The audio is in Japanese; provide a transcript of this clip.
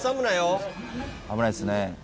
危ないっすね。